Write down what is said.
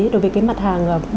đối với cái mặt hàng